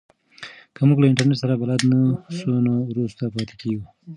که موږ له انټرنیټ سره بلد نه سو نو وروسته پاتې کیږو.